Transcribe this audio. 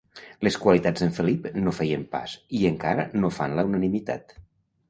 Les qualitats d'en Felip no feien pas i encara no fan la unanimitat.